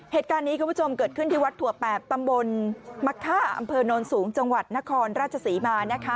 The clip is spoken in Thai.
เหตุการณ์นี้คุณผู้ชมเกิดขึ้นที่วัดถั่วแปบตำบลมะค่าอำเภอโนนสูงจังหวัดนครราชศรีมานะคะ